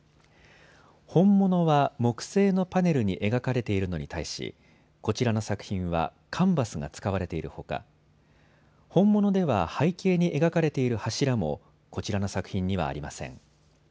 本物は木製のパネルに描かれているのに対しこちらの作品はカンバスが使われているほか本物では背景に描かれている柱もこちらの作品にはありません。